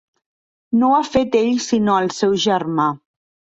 No ho ha fet ell sinó el seu germà.